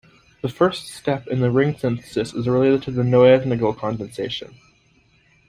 The first step in the ring synthesis is related to the Knoevenagel condensation.